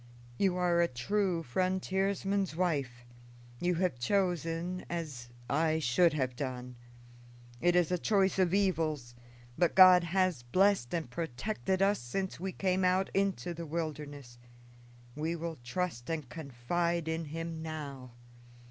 "You are a true frontiersman's wife; you have chosen as I should have done. It is a choice of evils; but God has blessed and protected us since we came out into the wilderness we will trust and confide in him now.